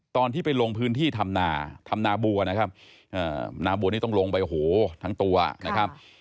ตอนที่ไปลงพื้นที่ทำนาทำนาบัวนะครับนาบัวนี่ต้องลงไปโอ้โหทั้งตัวนะครับ